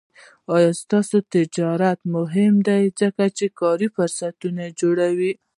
آزاد تجارت مهم دی ځکه چې کاري فرصتونه جوړوي.